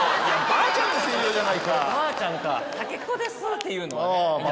ばあちゃんか「たけこです」っていうのは。